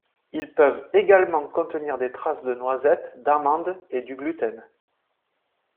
Ils peuvent également contenir des traces de noisettes, d'amandes et du gluten.